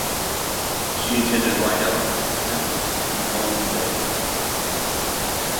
She attended Rydal Penrhos in Colwyn Bay.